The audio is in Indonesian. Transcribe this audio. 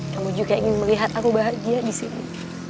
kamu juga ingin melihat aku bahagia di sini